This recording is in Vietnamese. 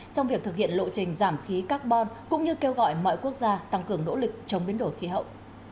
trong việc thực hiện lộ trình giảm khí carbon cũng như kêu gọi mọi quốc gia tăng cường nỗ lực chống biến đổi khí hậu